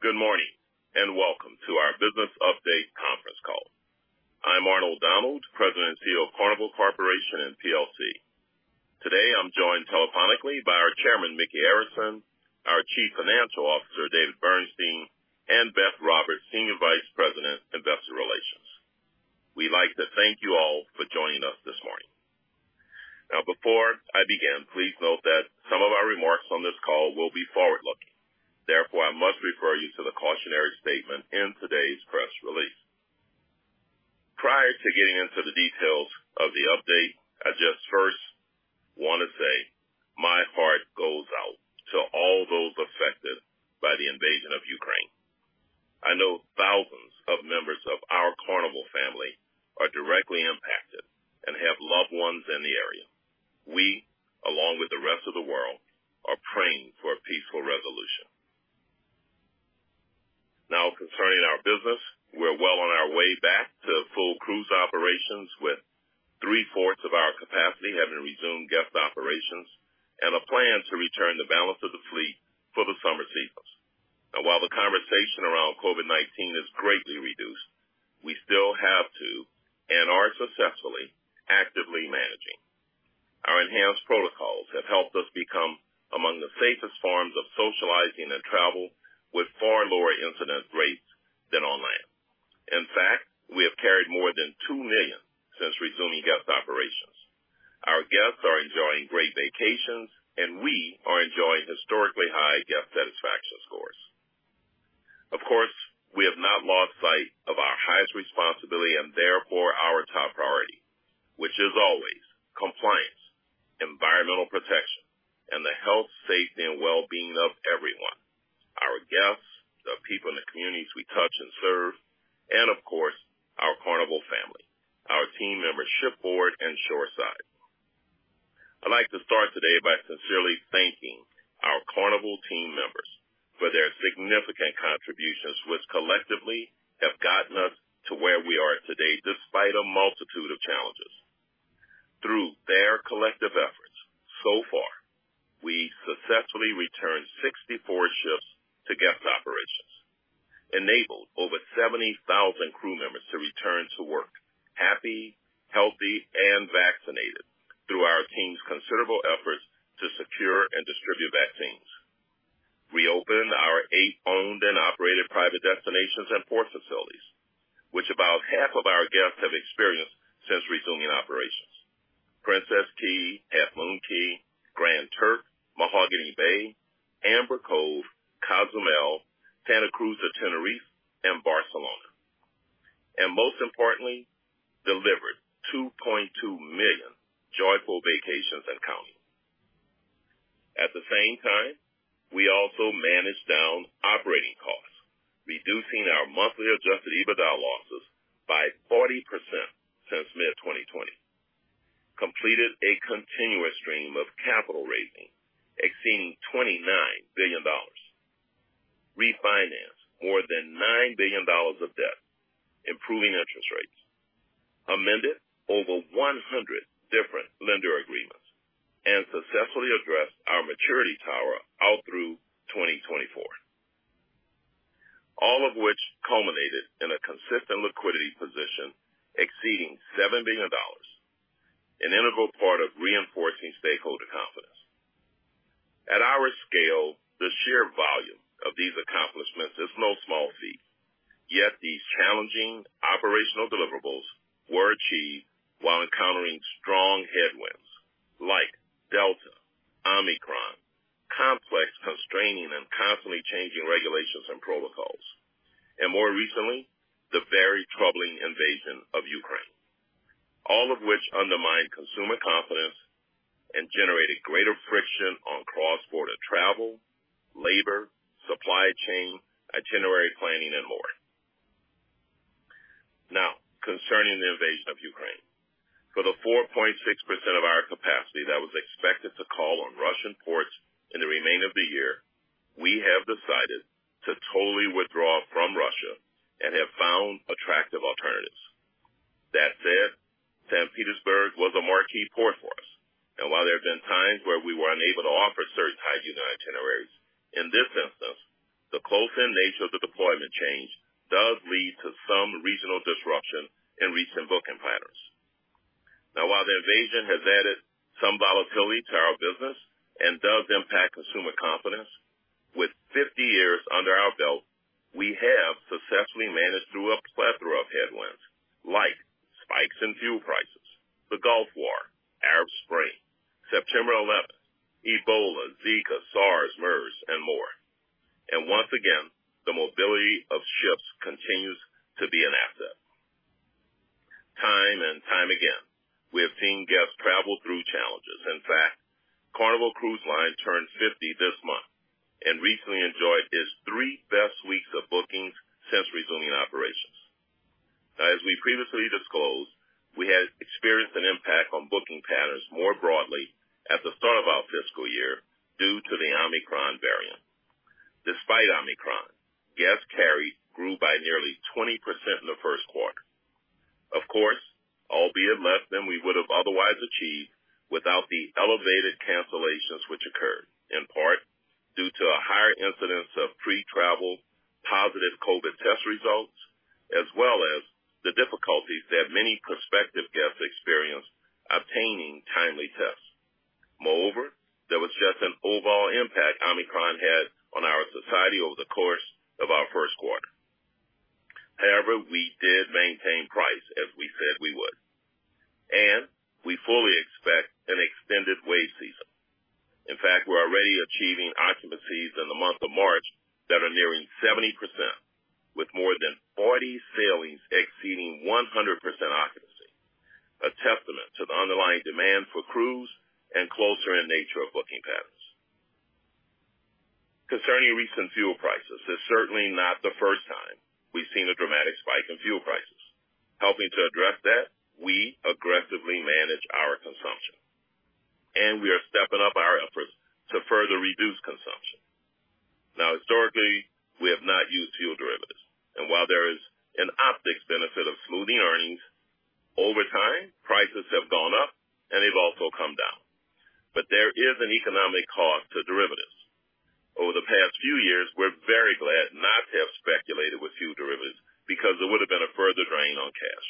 Good morning, and welcome to our business update conference call. I'm Arnold Donald, President and CEO of Carnival Corporation & plc. Today, I'm joined telephonically by our Chairman, Micky Arison, our Chief Financial Officer, David Bernstein, and Beth Roberts, Senior Vice President, Investor Relations. We'd like to thank you all for joining us this morning. Now before I begin, please note that some of our remarks on this call will be forward-looking. Therefore, I must refer you to the cautionary statement in today's press release. Prior to getting into the details of the update, I just first wanna say my heart goes out to all those affected by the invasion of Ukraine. I know thousands of members of our Carnival family are directly impacted and have loved ones in the area. We, along with the rest of the world, are praying for a peaceful resolution. Now concerning our business, we're well on our way back to full cruise operations, with three-fourths of our capacity having resumed guest operations and a plan to return the balance of the fleet for the summer seasons. Now while the conversation around COVID-19 is greatly reduced, we still have to, and are successfully, actively managing. Our enhanced protocols have helped us become among the safest forms of socializing and travel with far lower incident rates than on land. In fact, we have carried more than 2 million since resuming guest operations. Our guests are enjoying great vacations, and we are enjoying historically high guest satisfaction scores. Of course, we have not lost sight of our highest responsibility, and therefore our top priority, which is always compliance, environmental protection, and the health, safety, and well-being of everyone, our guests, the people in the communities we touch and serve, and of course, our Carnival family, our team members shipboard and shoreside. I'd like to start today by sincerely thanking our Carnival team members for their significant contributions, which collectively have gotten us to where we are today, despite a multitude of challenges. Through their collective efforts so far, we successfully returned 64 ships to guest operations, enabled over 70,000 crew members to return to work happy, healthy, and vaccinated through our team's considerable efforts to secure and distribute vaccines, and reopened our eight owned and operated private destinations and port facilities, which about half of our guests have experienced since resuming operations. Princess Cays, Half Moon Cay, Grand Turk, Mahogany Bay, Amber Cove, Cozumel, Santa Cruz de Tenerife, and Barcelona. Most importantly, we delivered 2.2 million joyful vacations and counting. At the same time, we also managed down operating costs, reducing our monthly adjusted EBITDA losses by 40% since mid-2020. Completed a continuous stream of capital raising exceeding $29 billion. Refinanced more than $9 billion of debt, improving interest rates. Amended over 100 different lender agreements and successfully addressed our maturity tower out through 2024. All of which culminated in a consistent liquidity position exceeding $7 billion, an integral part of reinforcing stakeholder confidence. At our scale, the sheer volume of these accomplishments is no small feat. Yet these challenging operational deliverables were achieved while encountering strong headwinds like Delta, Omicron, complex, constraining, and constantly changing regulations and protocols. More recently, the very troubling invasion of Ukraine. All of which undermined consumer confidence and generated greater friction on cross-border travel, labor, supply chain, itinerary planning, and more. Now, concerning the invasion of Ukraine. For the 4.6% of our capacity that was expected to call on Russian ports in the remainder of the year, we have decided to totally withdraw from Russia and have found attractive alternatives. That said, St. Petersburg was a marquee port for us, and while there have been times where we were unable to offer certain types of itineraries, in this instance, the closed-in nature of the deployment change does lead to some regional disruption in recent booking patterns. Now, while the invasion has added some volatility to our business and does impact consumer confidence, with fifty years under our belt, we have successfully managed through a plethora of headwinds like spikes in fuel prices, the Gulf War, Arab Spring, 9/11, Ebola, Zika, SARS, MERS, and more. Once again, the mobility of ships continues to be an asset. Time and time again, we have seen guests travel through challenges. In fact, Carnival Cruise Line turned fifty this month and recently enjoyed its three best weeks of bookings since resuming operations. Now as we previously disclosed, we had experienced an impact on booking patterns more broadly at the start of our fiscal year due to the Omicron variant. Despite Omicron, guests carried grew by nearly 20% in the first quarter. Of course, albeit less than we would have otherwise achieved without the elevated cancellations which occurred in part due to a higher incidence of pre-travel positive COVID test results, as well as the difficulties that many prospective guests experienced obtaining timely tests. Moreover, there was just an overall impact that Omicron had on our society over the course of our first quarter. However, we did maintain price as we said we would, and we fully expect an extended wave season. In fact, we're already achieving occupancies in the month of March that are nearing 70%, with more than 40 sailings exceeding 100% occupancy, a testament to the underlying demand for cruise and closer in nature of booking patterns. Concerning recent fuel prices, it's certainly not the first time we've seen a dramatic spike in fuel prices. Helping to address that, we aggressively manage our consumption, and we are stepping up our efforts to further reduce consumption. Now, historically, we have not used fuel derivatives, and while there is an optics benefit of smoothing earnings over time, prices have gone up and they've also come down. But there is an economic cost to derivatives. Over the past few years, we're very glad not to have speculated with fuel derivatives because it would have been a further drain on cash.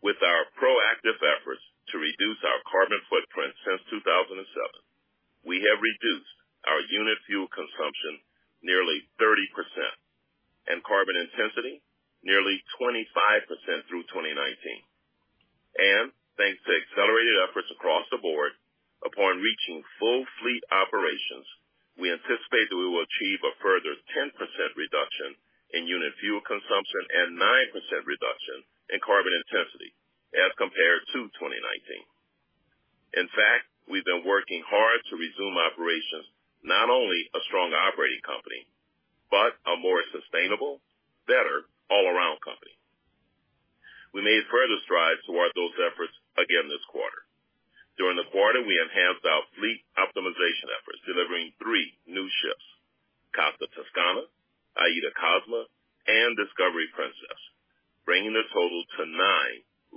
With our proactive efforts to reduce our carbon footprint since 2007, we have reduced our unit fuel consumption nearly 30% and carbon intensity nearly 25% through 2019. Thanks to accelerated efforts across the board, upon reaching full fleet operations, we anticipate that we will achieve a further 10% reduction in unit fuel consumption and 9% reduction in carbon intensity as compared to 2019. In fact, we've been working hard to resume operations, not only a strong operating company, but a more sustainable, better all-around company. We made further strides toward those efforts again this quarter. During the quarter, we enhanced our fleet optimization efforts, delivering 3 new ships, Costa Toscana, AIDAcosma, and Discovery Princess, bringing the total to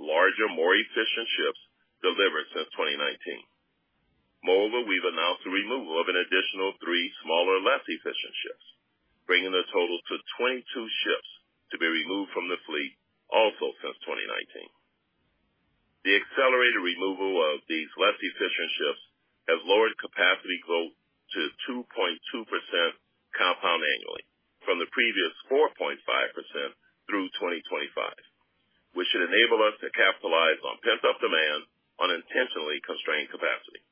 9 larger, more efficient ships delivered since 2019. Moreover, we've announced the removal of an additional three smaller, less efficient ships, bringing the total to 22 ships to be removed from the fleet also since 2019. The accelerated removal of these less efficient ships has lowered capacity growth to 2.2% compound annually from the previous 4.5% through 2025, which should enable us to capitalize on pent-up demand on intentionally constrained capacity.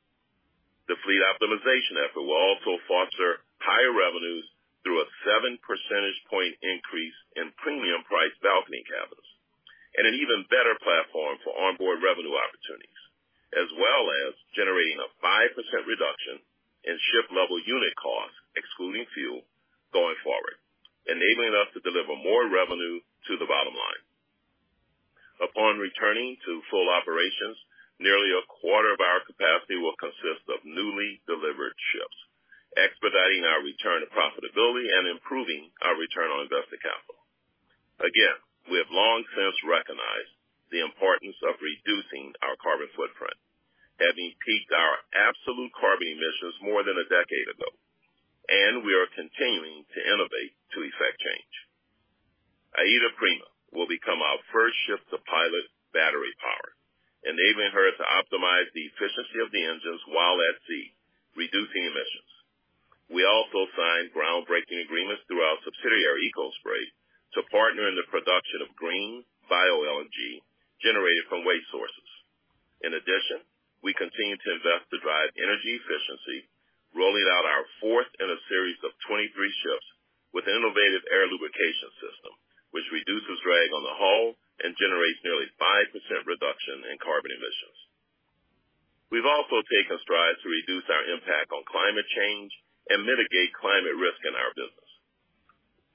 The fleet optimization effort will also foster higher revenues through a seven percentage point increase in premium-priced balcony cabins and an even better platform for onboard revenue opportunities, as well as generating a 5% reduction in ship-level unit costs, excluding fuel going forward, enabling us to deliver more revenue to the bottom line. Upon returning to full operations, nearly a quarter of our capacity will consist of newly delivered ships, expediting our return to profitability and improving our return on invested capital. Again, we have long since recognized the importance of reducing our carbon footprint, having peaked our absolute carbon emissions more than a decade ago, and we are continuing to innovate to effect change. AIDAprima will become our first ship to pilot battery power, enabling her to optimize the efficiency of the engines while at sea, reducing emissions. We also signed groundbreaking agreements through our subsidiary, Ecospray, to partner in the production of green bio-LNG generated from waste sources. In addition, we continue to invest to drive energy efficiency, rolling out our fourth in a series of 23 ships with innovative Air Lubrication System, which reduces drag on the hull and generates nearly 5% reduction in carbon emissions. We've also taken strides to reduce our impact on climate change and mitigate climate risk in our business.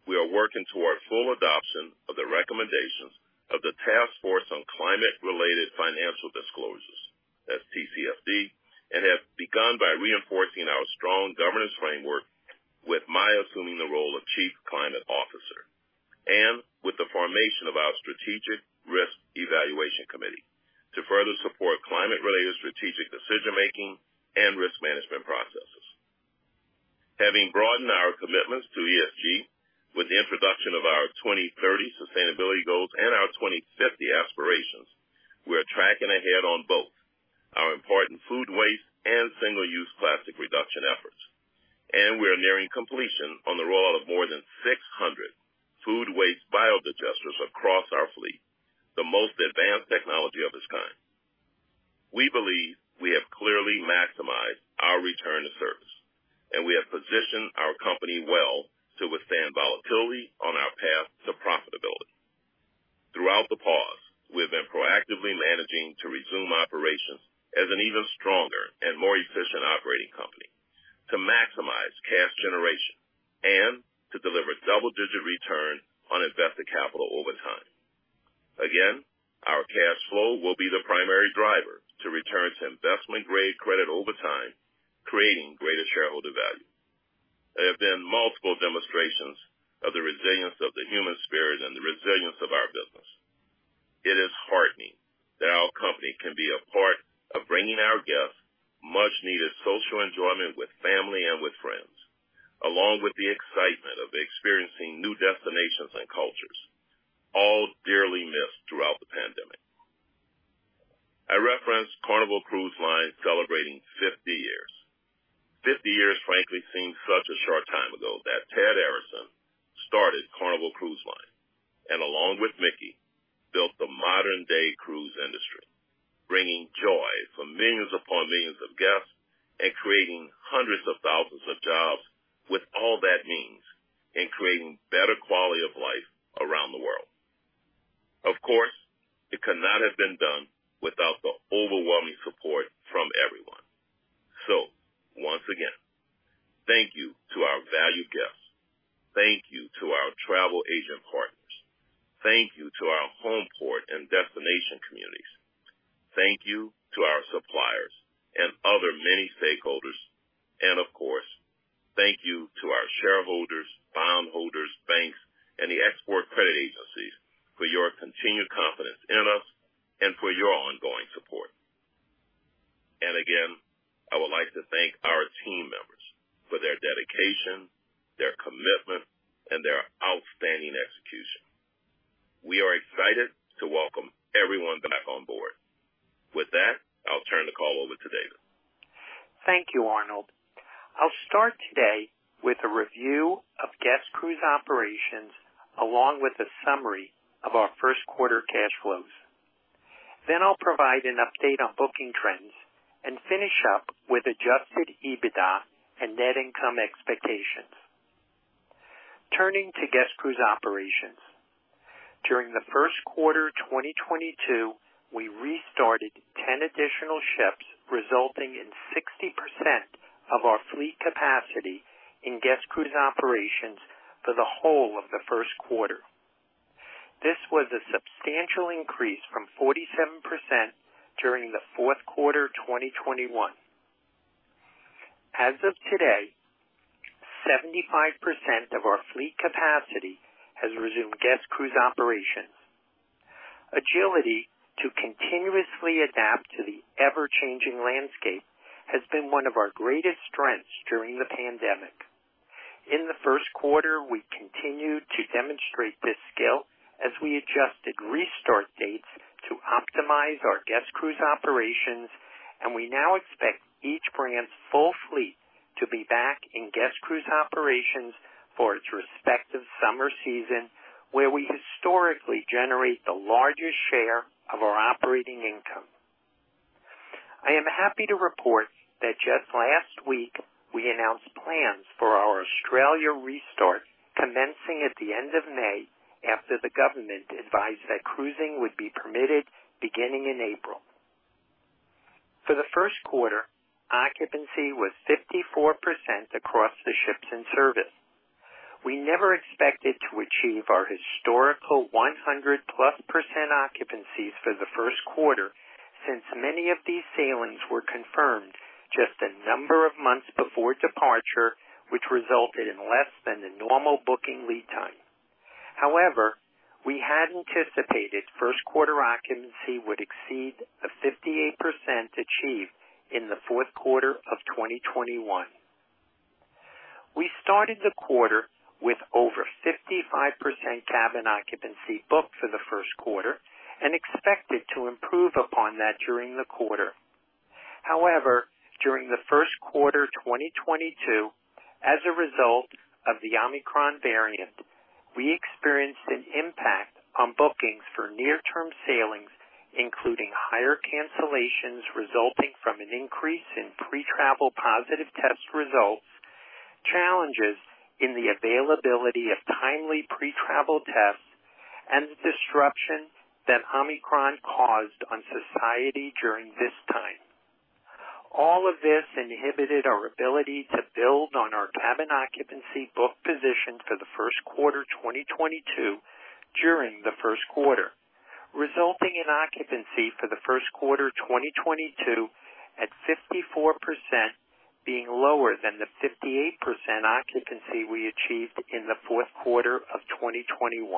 We are working toward full adoption of the recommendations of the Task Force on Climate-related Financial Disclosures, that's TCFD, and have begun by reinforcing our strong governance framework with my assuming the role of Chief Climate Officer and with the formation of our Strategic Risk Evaluation Committee to further support climate-related strategic decision-making and risk management processes. Having broadened our commitments to ESG with the introduction of our 2030 sustainability goals and our 2050 aspirations, we are tracking ahead on both our important food waste and single-use plastic reduction efforts. We are nearing completion on the roll out of more than 600 food waste biodigestors across our fleet, the most advanced technology of its kind. We believe we have clearly maximized our return to service, and we have positioned our company well to withstand volatility on our path to profitability. Throughout the pause, we have been proactively managing to resume operations as an even stronger and more efficient operating company to maximize cash generation and to deliver double-digit return on invested capital over time. Again, our cash flow will be the primary driver to return to investment-grade credit over time, creating greater shareholder value. There have been multiple demonstrations of the resilience of the human spirit and the resilience of our business. It is heartening that our company can be a part of bringing our guests much needed social enjoyment with family and with friends, along with the excitement of experiencing new destinations and cultures, all dearly missed throughout the pandemic. I referenced Carnival Cruise Line celebrating 50 years. 50 years frankly seems such a short time ago that Ted Arison started Carnival Cruise Line, and along with Micky, built the modern day cruise industry, bringing joy for millions upon millions of guests and creating hundreds of thousands of jobs, with all that means in creating better quality of life around the world. Of course, it could not have been done without the overwhelming support from everyone. Once again, thank you to our valued guests. Thank you to our travel agent partners. Thank you to our home port and destination communities. Thank you to our suppliers and other many stakeholders. Of course, thank you to our shareholders, bondholders, banks, and the export credit agencies for your continued confidence in us and for your ongoing support. Again, I would like to thank our team members for their dedication, their commitment, and their outstanding execution. We are excited to welcome everyone back on board. With that, I'll turn the call over to David. Thank you, Arnold. I'll start today with a review of guest cruise operations, along with a summary of our first quarter cash flows. Then I'll provide an update on booking trends and finish up with adjusted EBITDA and net income expectations. Turning to guest cruise operations. During the first quarter 2022, we restarted 10 additional ships, resulting in 60% of our fleet capacity in guest cruise operations for the whole of the first quarter. This was a substantial increase from 47% during the fourth quarter 2021. As of today, 75% of our fleet capacity has resumed guest cruise operations. Agility to continuously adapt to the ever-changing landscape has been one of our greatest strengths during the pandemic. In the first quarter, we continued to demonstrate this skill as we adjusted restart dates to optimize our guest cruise operations, and we now expect each brand's full fleet to be back in guest cruise operations for its respective summer season, where we historically generate the largest share of our operating income. I am happy to report that just last week we announced plans for our Australia restart commencing at the end of May after the government advised that cruising would be permitted beginning in April. For the first quarter, occupancy was 54% across the ships in service. We never expected to achieve our historical 100%+ occupancies for the first quarter, since many of these sailings were confirmed just a number of months before departure, which resulted in less than the normal booking lead time. However, we had anticipated first quarter occupancy would exceed the 58% achieved in the fourth quarter of 2021. We started the quarter with over 55% cabin occupancy booked for the first quarter and expected to improve upon that during the quarter. However, during the first quarter 2022, as a result of the Omicron variant, we experienced an impact on bookings for near-term sailings, including higher cancellations resulting from an increase in pre-travel positive test results, challenges in the availability of timely pre-travel tests, and the disruption that Omicron caused on society during this time. All of this inhibited our ability to build on our cabin occupancy book position for the first quarter 2022 during the first quarter, resulting in occupancy for the first quarter 2022 at 54% being lower than the 58% occupancy we achieved in the fourth quarter of 2021.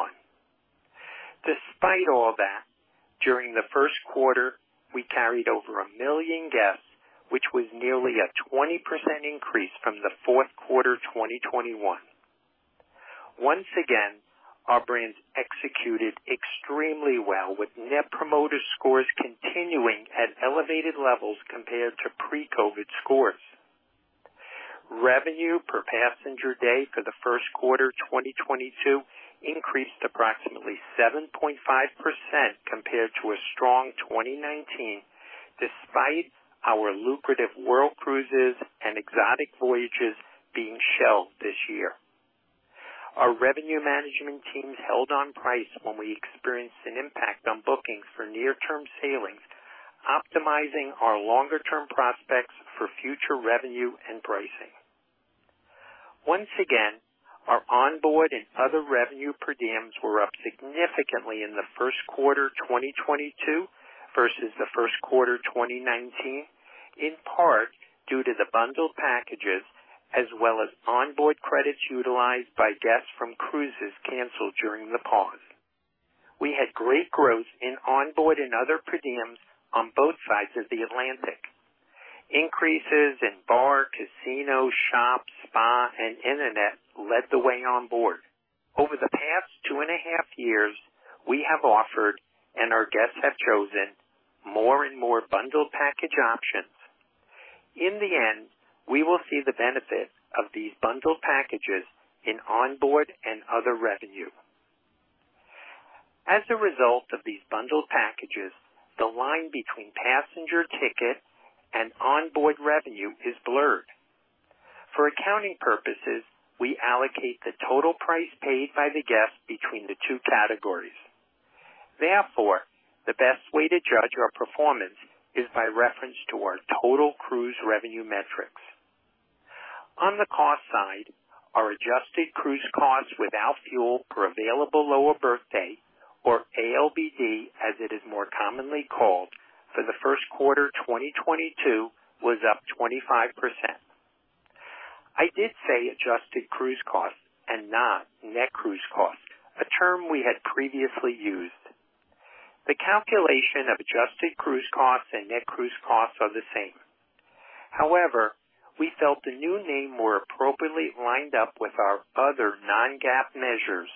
Despite all that, during the first quarter, we carried over 1 million guests, which was nearly a 20% increase from the fourth quarter 2021. Once again, our brands executed extremely well with Net Promoter Scores continuing at elevated levels compared to pre-COVID scores. Revenue per passenger day for the first quarter 2022 increased approximately 7.5% compared to a strong 2019 despite our lucrative world cruises and exotic voyages being shelved this year. Our revenue management teams held on price when we experienced an impact on bookings for near-term sailings, optimizing our longer-term prospects for future revenue and pricing. Once again, our onboard and other revenue per diems were up significantly in the first quarter 2022 versus the first quarter 2019, in part due to the bundled packages as well as onboard credits utilized by guests from cruises canceled during the pause. We had great growth in onboard and other per diems on both sides of the Atlantic. Increases in bar, casino, shop, spa, and internet led the way on board. Over the past two and a half years, we have offered, and our guests have chosen more and more bundled package options. In the end, we will see the benefit of these bundled packages in onboard and other revenue. As a result of these bundled packages, the line between passenger ticket and onboard revenue is blurred. For accounting purposes, we allocate the total price paid by the guest between the two categories. Therefore, the best way to judge our performance is by reference to our total cruise revenue metrics. On the cost side, our adjusted cruise costs without fuel per available lower berth day or ALBD, as it is more commonly called, for the first quarter 2022 was up 25%. I did say adjusted cruise costs and not net cruise costs, a term we had previously used. The calculation of adjusted cruise costs and net cruise costs are the same. However, we felt the new name more appropriately lined up with our other non-GAAP measures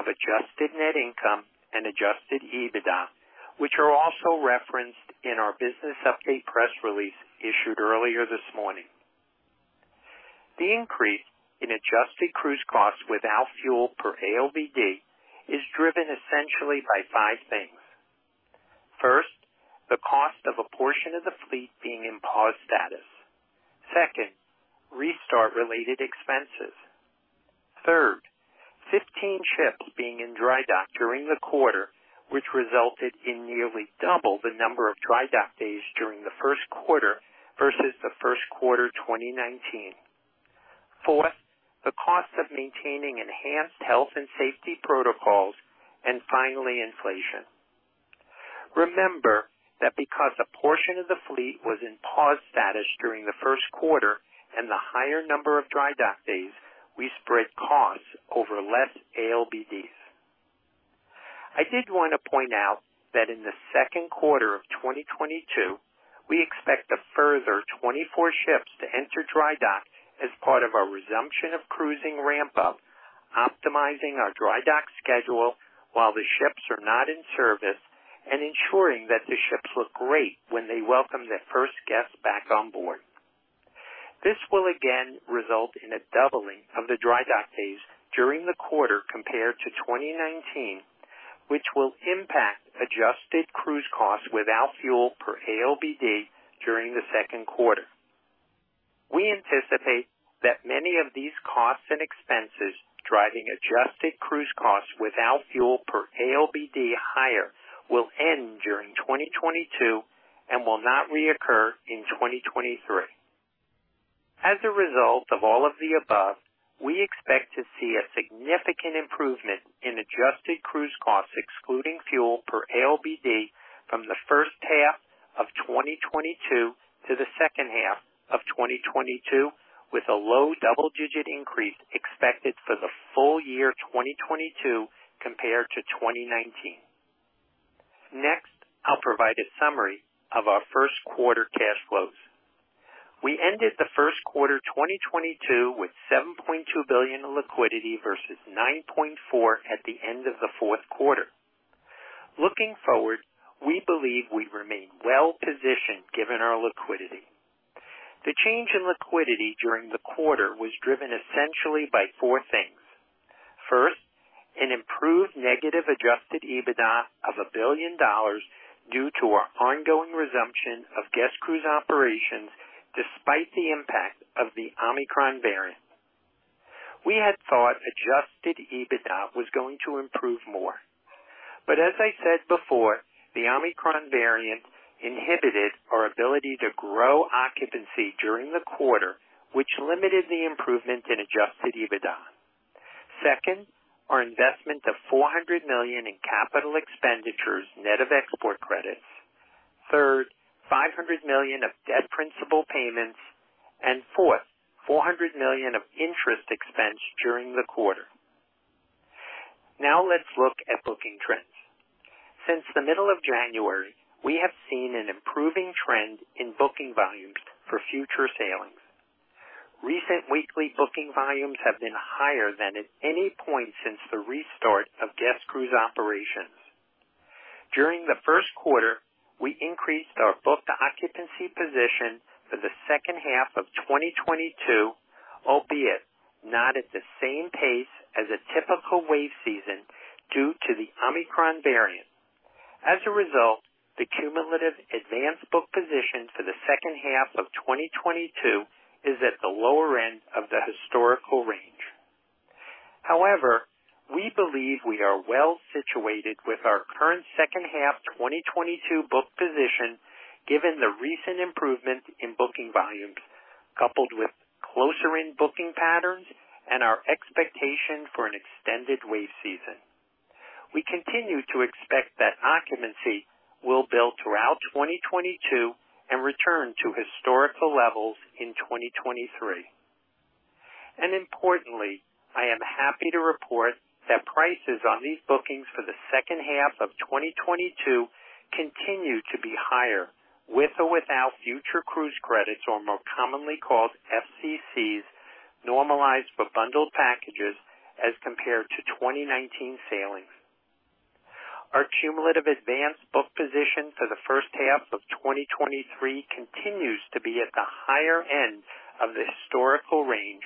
of adjusted net income and adjusted EBITDA, which are also referenced in our business update press release issued earlier this morning. The increase in adjusted cruise costs without fuel per ALBD is driven essentially by five things. First, the cost of a portion of the fleet being in pause status. Second, restart-related expenses. Third, 15 ships being in dry dock during the quarter, which resulted in nearly double the number of dry dock days during the first quarter versus the first quarter 2019. Fourth, the cost of maintaining enhanced health and safety protocols, and finally, inflation. Remember that because a portion of the fleet was in pause status during the first quarter and the higher number of dry dock days, we spread costs over less ALBDs. I did want to point out that in the second quarter of 2022, we expect a further 24 ships to enter dry dock as part of our resumption of cruising ramp up, optimizing our dry dock schedule while the ships are not in service, and ensuring that the ships look great when they welcome their first guests back on board. This will again result in a doubling of the dry dock days during the quarter compared to 2019, which will impact adjusted cruise costs without fuel per ALBD during the second quarter. We anticipate that many of these costs and expenses driving adjusted cruise costs without fuel per ALBD higher will end during 2022 and will not reoccur in 2023. As a result of all of the above, we expect to see a significant improvement in adjusted cruise costs excluding fuel per ALBD from the first half of 2022 to the second half of 2022, with a low double-digit increase expected for the full year 2022 compared to 2019. Next, I'll provide a summary of our first quarter cash flows. We ended the first quarter 2022 with $7.2 billion in liquidity versus $9.4 billion at the end of the fourth quarter. Looking forward, we believe we remain well-positioned given our liquidity. The change in liquidity during the quarter was driven essentially by four things. First, an improved negative adjusted EBITDA of $1 billion due to our ongoing resumption of guest cruise operations despite the impact of the Omicron variant. We had thought adjusted EBITDA was going to improve more. As I said before, the Omicron variant inhibited our ability to grow occupancy during the quarter, which limited the improvement in adjusted EBITDA. Second, our investment of $400 million in capital expenditures net of export credits. Third, $500 million of debt principal payments. Fourth, $400 million of interest expense during the quarter. Now let's look at booking trends. Since the middle of January, we have seen an improving trend in booking volumes for future sailings. Recent weekly booking volumes have been higher than at any point since the restart of guest cruise operations. During the first quarter, we increased our booked occupancy position for the second half of 2022, albeit not at the same pace as a typical wave season due to the Omicron variant. As a result, the cumulative advanced book position for the second half of 2022 is at the lower end of the historical range. However, we believe we are well situated with our current second half 2022 book position, given the recent improvement in booking volumes, coupled with closer-in booking patterns and our expectation for an extended wave season. We continue to expect that occupancy will build throughout 2022 and return to historical levels in 2023. Importantly, I am happy to report that prices on these bookings for the second half of 2022 continue to be higher with or without future cruise credits or more commonly called FCCs, normalized but bundled packages as compared to 2019 sailings. Our cumulative advance book position for the first half of 2023 continues to be at the higher end of the historical range,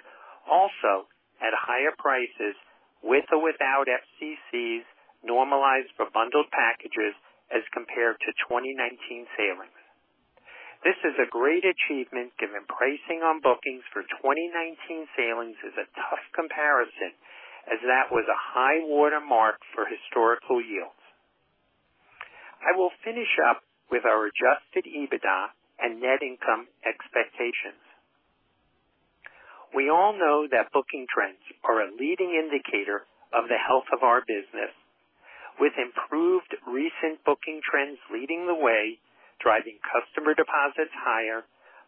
also at higher prices with or without FCCs normalized but bundled packages as compared to 2019 sailings. This is a great achievement given pricing on bookings for 2019 sailings is a tough comparison as that was a high watermark for historical yields. I will finish up with our adjusted EBITDA and net income expectations. We all know that booking trends are a leading indicator of the health of our business. With improved recent booking trends leading the way, driving customer deposits higher,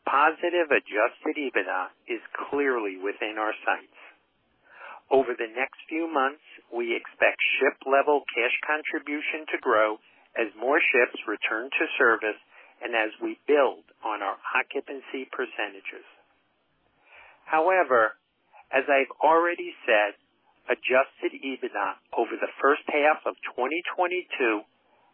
positive adjusted EBITDA is clearly within our sights. Over the next few months, we expect ship-level cash contribution to grow as more ships return to service and as we build on our occupancy percentages. However, as I've already said, adjusted EBITDA over the first half of 2022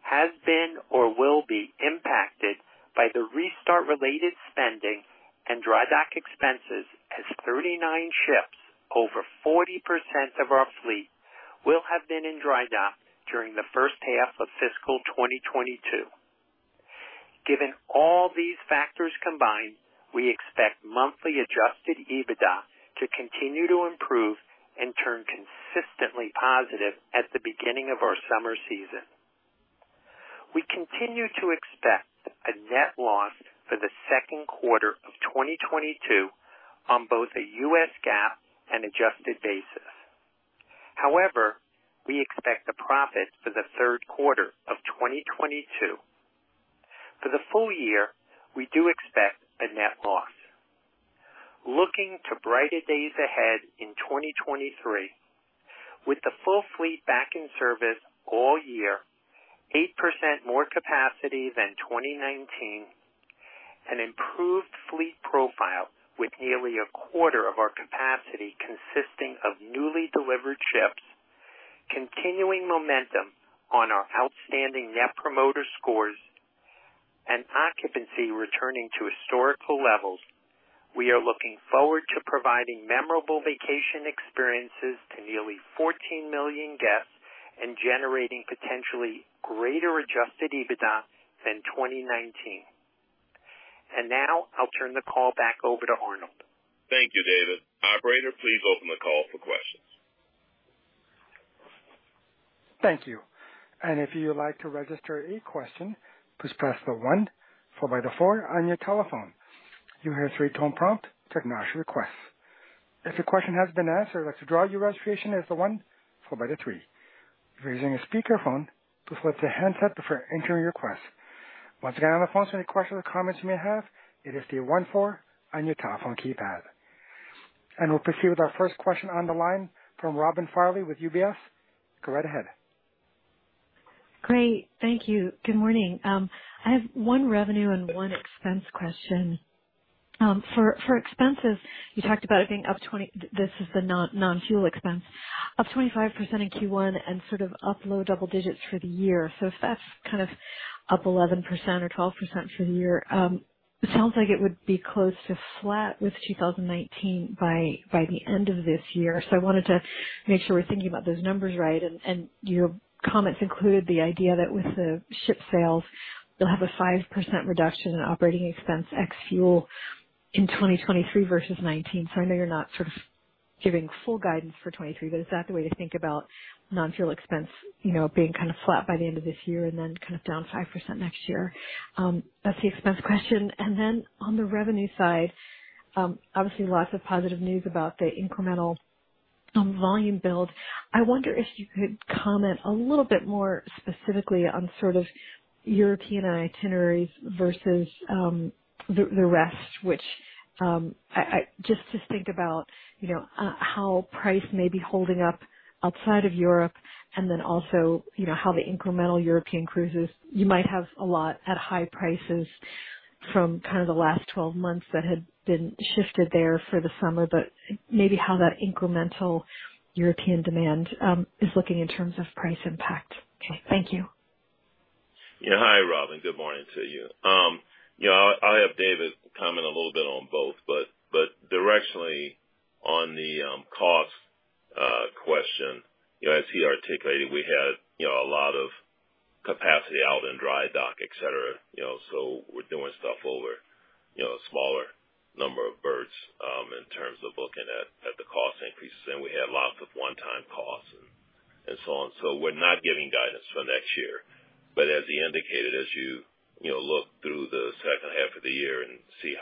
has been or will be impacted by the restart-related spending and dry dock expenses as 39 ships, over 40% of our fleet, will have been in dry dock during the first half of fiscal 2022. Given all these factors combined, we expect monthly adjusted EBITDA to continue to improve and turn consistently positive at the beginning of our summer season. We continue to expect a net loss for the second quarter of 2022 on both a US GAAP and adjusted basis. However, we expect a profit for the third quarter of 2022. For the full year, we do expect a net loss. Looking to brighter days ahead in 2023. With the full fleet back in service all year, 8% more capacity than 2019, an improved fleet profile with nearly a quarter of our capacity consisting of newly delivered ships, continuing momentum on our outstanding Net Promoter Scores, and occupancy returning to historical levels, we are looking forward to providing memorable vacation experiences to nearly 14 million guests and generating potentially greater adjusted EBITDA than 2019. Now I'll turn the call back over to Arnold. Thank you, David. Operator, please open the call for questions. We'll proceed with our first question on the line from Robin Farley with UBS. Go right ahead. Great. Thank you. Good morning. I have one revenue and one expense question. For expenses, you talked about it being up 25% in Q1 and sort of up low double digits for the year. If that's kind of up 11% or 12% for the year, it sounds like it would be close to flat with 2019 by the end of this year. I wanted to make sure we're thinking about those numbers right. Your comments included the idea that with the ship sales, you'll have a 5% reduction in operating expense ex-fuel in 2023 versus 2019. I know you're not sort of giving full guidance for 2023, but is that the way to think about non-fuel expense, you know, being kind of flat by the end of this year and then kind of down 5% next year? That's the expense question. Then on the revenue side, obviously lots of positive news about the incremental volume build. I wonder if you could comment a little bit more specifically on sort of European itineraries versus the rest, which I. Just to think about, you know, how price may be holding up outside of Europe, and then also, you know, how the incremental European cruises, you might have a lot at high prices from kind of the last 12 months that had been shifted there for the summer, but maybe how that incremental European demand is looking in terms of price impact. Thank you. Yeah. Hi, Robin. Good morning to you. You know, I'll have David comment a little bit on both, but directionally on the cost question, you know, as he articulated, we had a lot of capacity out in dry dock, etc, you know, so we're doing stuff over a smaller number of berths in terms of looking at the cost increases. We had lots of one-time costs and so on. We're not giving guidance for next year. As he indicated, as you know, look through the second half of the year and see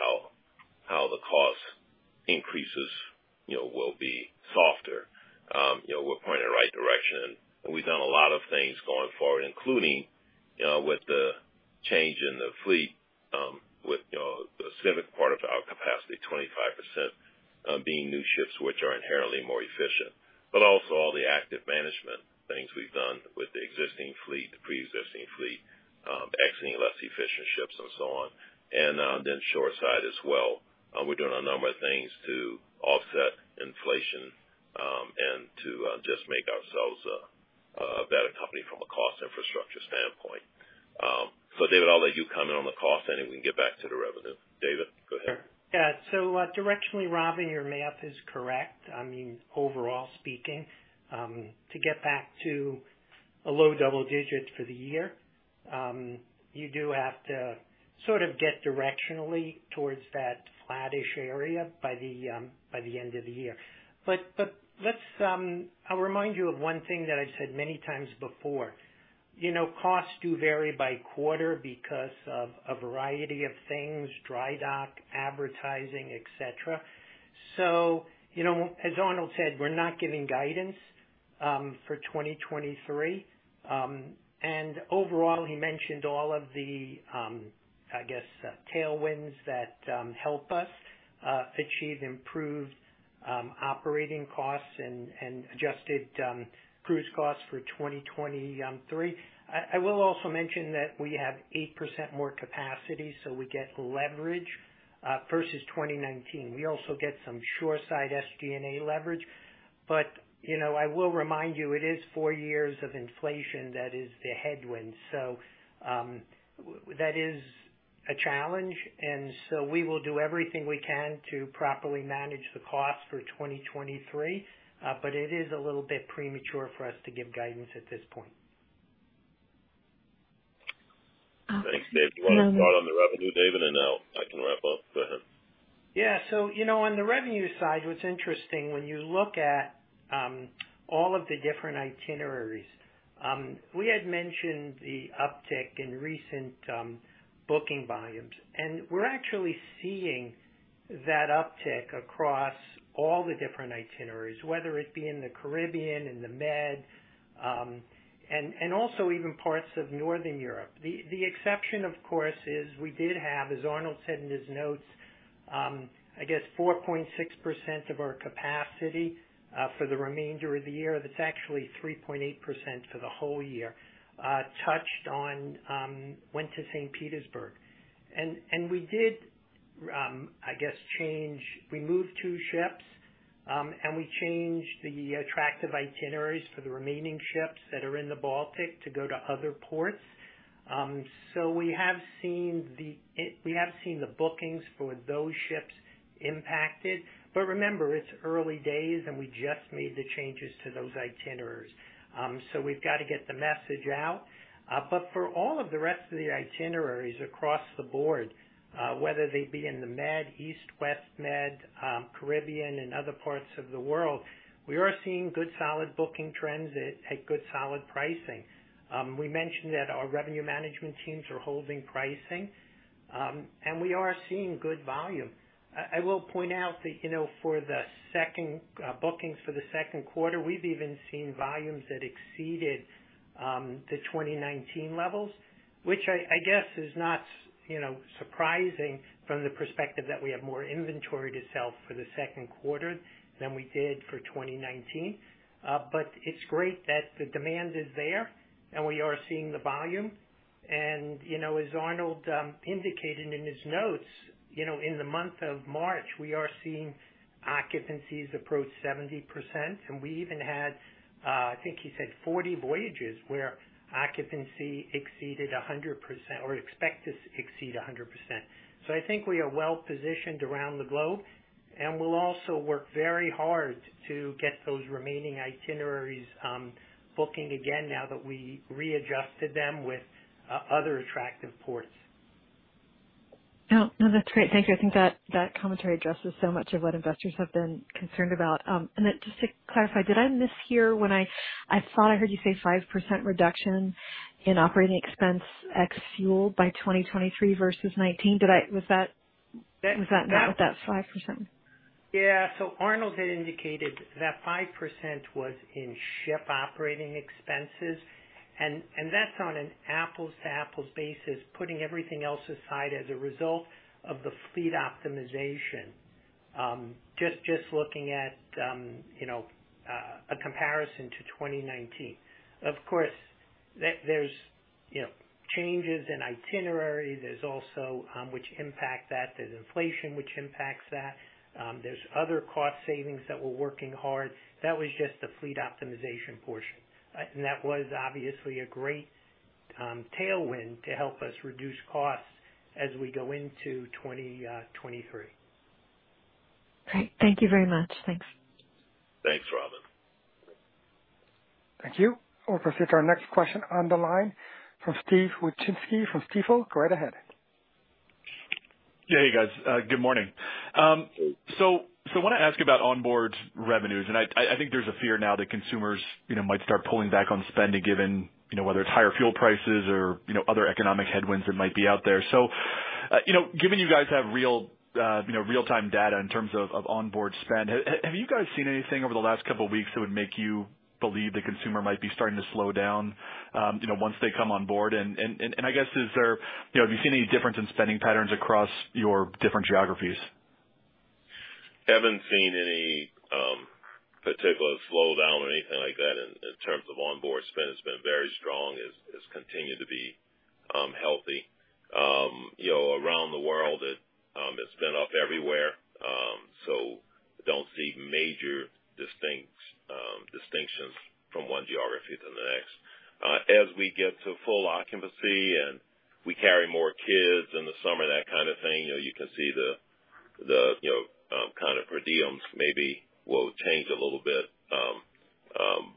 how the cost increases will be softer. You know, we're pointing in the right direction. We've done a lot of things going forward, including, you know, with the change in the fleet, with, you know, a significant part of our capacity, 25%, being new ships, which are inherently more efficient. Also all the active management things we've done with the existing fleet, the preexisting fleet, exiting less efficient ships and so on. Shoreside as well. We're doing a number of things to offset inflation, and to just make ourselves a better company from a cost infrastructure standpoint. David, I'll let you comment on the cost, and then we can get back to the revenue. David, go ahead. Yeah. Directionally, Robin, your math is correct. I mean, overall speaking, to get back to a low double digit for the year, you do have to sort of get directionally towards that flattish area by the end of the year. Let's, I'll remind you of one thing that I said many times before. You know, costs do vary by quarter because of a variety of things, dry dock, advertising, et cetera. You know, as Arnold said, we're not giving guidance for 2023. Overall, he mentioned all of the, I guess, tailwinds that help us achieve improved operating costs and adjusted cruise costs for 2023. I will also mention that we have 8% more capacity, so we get leverage versus 2019. We also get some shoreside SG&A leverage. You know, I will remind you, it is four years of inflation that is the headwind. That is a challenge, and so we will do everything we can to properly manage the cost for 2023. It is a little bit premature for us to give guidance at this point. Um- Thanks, Dave. Do you wanna comment on the revenue, David, and I'll, I can wrap up. Go ahead. Yeah. You know, on the revenue side, what's interesting when you look at all of the different itineraries, we had mentioned the uptick in recent booking volumes, and we're actually seeing that uptick across all the different itineraries, whether it be in the Caribbean, in the Med, and also even parts of Northern Europe. The exception, of course, is we did have, as Arnold said in his notes, 4.6% of our capacity for the remainder of the year. That's actually 3.8% for the whole year that went to St. Petersburg. We did, I guess, move two ships, and we changed the attractive itineraries for the remaining ships that are in the Baltic to go to other ports. We have seen the bookings for those ships impacted. Remember, it's early days, and we just made the changes to those itineraries. We've got to get the message out. For all of the rest of the itineraries across the board, whether they be in the Med, East, West Med, Caribbean and other parts of the world, we are seeing good solid booking trends at good solid pricing. We mentioned that our revenue management teams are holding pricing, and we are seeing good volume. I will point out that, you know, for the second bookings for the second quarter, we've even seen volumes that exceeded the 2019 levels, which I guess is not, you know, surprising from the perspective that we have more inventory to sell for the second quarter than we did for 2019. But it's great that the demand is there, and we are seeing the volume. You know, as Arnold indicated in his notes, you know, in the month of March, we are seeing occupancies approach 70%. We even had, I think he said 40 voyages where occupancy exceeded 100% or expect to exceed 100%. I think we are well-positioned around the globe, and we'll also work very hard to get those remaining itineraries booking again now that we readjusted them with other attractive ports. No, no, that's great. Thank you. I think that commentary addresses so much of what investors have been concerned about. Just to clarify, did I mishear when I thought I heard you say 5% reduction in operating expense, ex-fuel by 2023 versus 2019. Was that- That- Was that not what 5%? Yeah. Arnold had indicated that 5% was in ship operating expenses, and that's on an apples-to-apples basis, putting everything else aside as a result of the fleet optimization. Just looking at a comparison to 2019. Of course, there's changes in itinerary. There's also which impact that. There's inflation, which impacts that. There's other cost savings that we're working hard. That was just the fleet optimization portion. That was obviously a great tailwind to help us reduce costs as we go into 2023. Great. Thank you very much. Thanks. Thanks, Robin. Thank you. We'll proceed to our next question on the line from Steven Wieczynski from Stifel. Go right ahead. Yeah. Hey, guys. Good morning. I wanna ask about onboard revenues, and I think there's a fear now that consumers, you know, might start pulling back on spending, given, you know, whether it's higher fuel prices or, you know, other economic headwinds that might be out there. You know, given you guys have real-time data in terms of onboard spend, have you guys seen anything over the last couple weeks that would make you believe the consumer might be starting to slow down, you know, once they come on board? I guess, have you seen any difference in spending patterns across your different geographies? Haven't seen any particular slowdown or anything like that in terms of onboard spend. It's been very strong. It's continued to be healthy. You know, around the world, it's been up everywhere, so don't see major distinctions from one geography to the next. As we get to full occupancy and we carry more kids in the summer, that kind of thing, you know, you can see the kind of per diems maybe will change a little bit.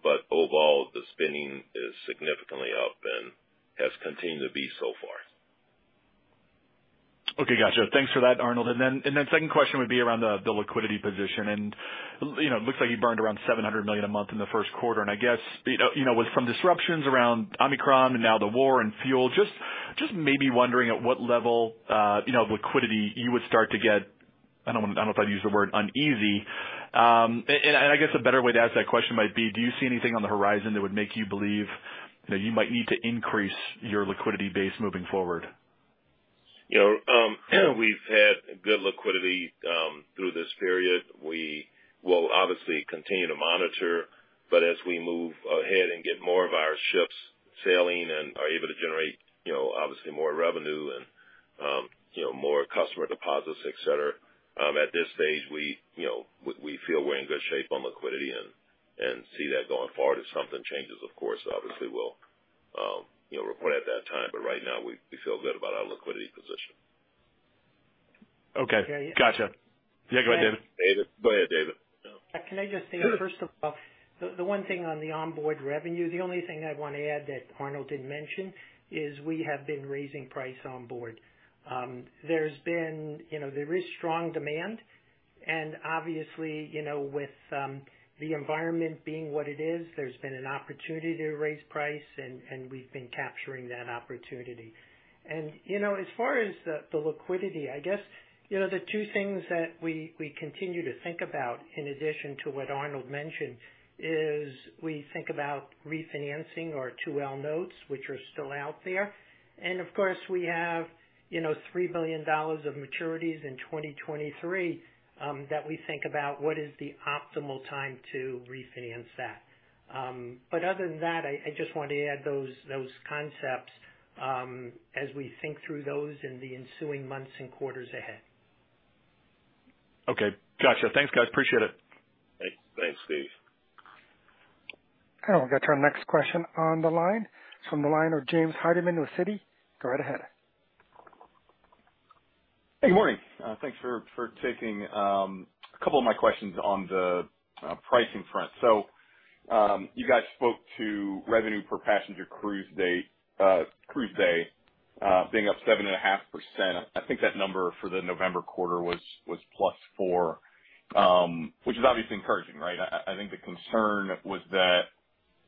But overall, the spending is significantly up and has continued to be so far. Okay. Gotcha. Thanks for that, Arnold. Second question would be around the liquidity position. You know, looks like you burned around $700 million a month in the first quarter. I guess, you know, with some disruptions around Omicron and now the war and fuel, just maybe wondering at what level, you know, liquidity you would start to get. I don't know if I'd use the word uneasy. I guess a better way to ask that question might be, do you see anything on the horizon that would make you believe that you might need to increase your liquidity base moving forward? You know, we've had good liquidity through this period. We will obviously continue to monitor, but as we move ahead and get more of our ships sailing and are able to generate, you know, obviously more revenue and, you know, more customer deposits, et cetera, at this stage, you know, we feel we're in good shape on liquidity and see that going forward. If something changes, of course, obviously we'll, you know, report at that time, but right now we feel good about our liquidity position. Okay. Gotcha. Yeah. Yeah, go ahead, David. David. Go ahead, David. Yeah. Can I just say, first of all, the one thing on the onboard revenue, the only thing I wanna add that Arnold didn't mention is we have been raising price on board. You know, there is strong demand and obviously, you know, with the environment being what it is, there's been an opportunity to raise price and we've been capturing that opportunity. You know, as far as the liquidity, I guess, you know, the two things that we continue to think about in addition to what Arnold mentioned is we think about refinancing our 2L notes, which are still out there. Of course, we have, you know, $3 billion of maturities in 2023 that we think about what is the optimal time to refinance that. Other than that, I just want to add those concepts as we think through those in the ensuing months and quarters ahead. Okay. Gotcha. Thanks, guys. Appreciate it. Thanks. Thanks, Steve. We'll get to our next question on the line. It's from the line of James Hardiman with Citi. Go right ahead. Good morning. Thanks for taking a couple of my questions on the pricing front. You guys spoke to revenue per passenger cruise day being up 7.5%. I think that number for the November quarter was +4%, which is obviously encouraging, right? I think the concern was that,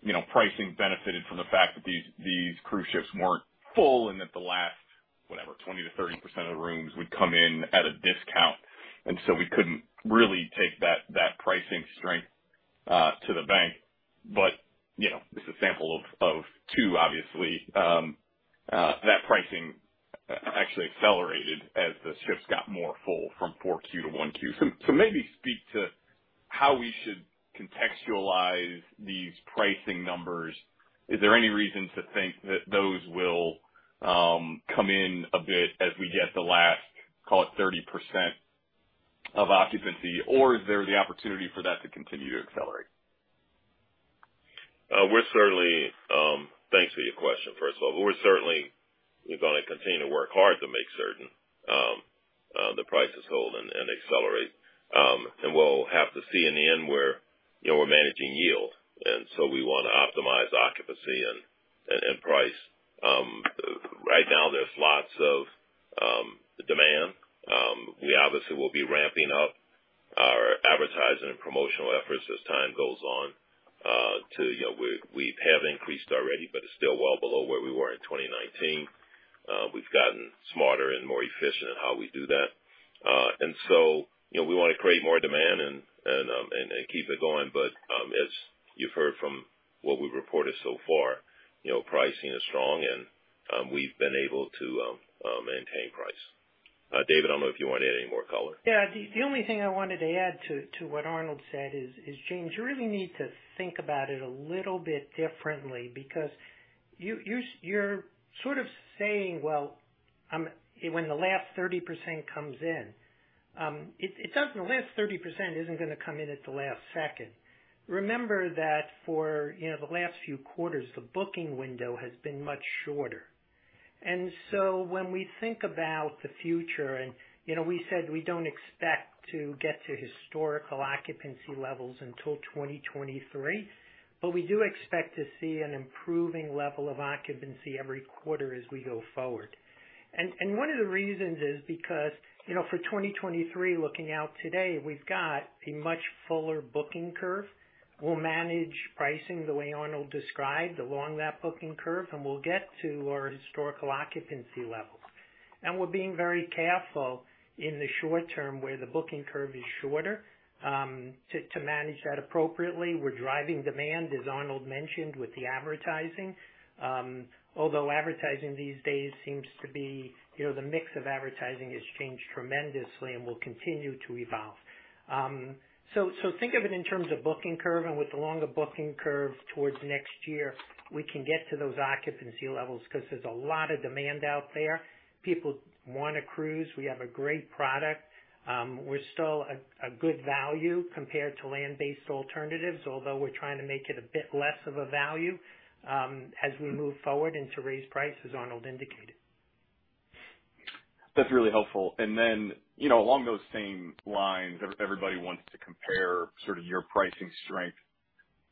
you know, pricing benefited from the fact that these cruise ships weren't full and that the last, whatever, 20%-30% of the rooms would come in at a discount. We couldn't really take that pricing strength to the bank. You know, it's a sample of two obviously. That pricing actually accelerated as the ships got more full from 4Q to 1Q. Maybe speak to how we should contextualize these pricing numbers. Is there any reason to think that those will come in a bit as we get the last, call it 30% of occupancy, or is there the opportunity for that to continue to accelerate? Thanks for your question, first of all. We're certainly gonna continue to work hard to make certain the prices hold and accelerate. We'll have to see in the end where you know we're managing yield, and so we wanna optimize occupancy and price. Right now there's lots of demand. We obviously will be ramping up our advertising and promotional efforts as time goes on to you know we have increased already, but it's still well below where we were in 2019. We've gotten smarter and more efficient in how we do that. You know we wanna create more demand and keep it going. As you've heard from what we've reported so far, you know, pricing is strong and we've been able to maintain price. David, I don't know if you want to add any more color. Yeah. The only thing I wanted to add to what Arnold said is James, you really need to think about it a little bit differently because you're sort of saying, well, when the last 30% comes in. The last 30% isn't gonna come in at the last second. Remember that for, you know, the last few quarters, the booking window has been much shorter. When we think about the future and, you know, we said we don't expect to get to historical occupancy levels until 2023, but we do expect to see an improving level of occupancy every quarter as we go forward. One of the reasons is because, you know, for 2023, looking out today, we've got a much fuller booking curve. We'll manage pricing the way Arnold described along that booking curve, and we'll get to our historical occupancy levels. We're being very careful in the short term, where the booking curve is shorter, to manage that appropriately. We're driving demand, as Arnold mentioned, with the advertising. Although advertising these days seems to be, you know, the mix of advertising has changed tremendously and will continue to evolve. So think of it in terms of booking curve. With the longer booking curve towards next year, we can get to those occupancy levels because there's a lot of demand out there. People wanna cruise. We have a great product. We're still a good value compared to land-based alternatives, although we're trying to make it a bit less of a value, as we move forward and to raise prices, Arnold indicated. That's really helpful. Then, you know, along those same lines, everybody wants to compare sort of your pricing strength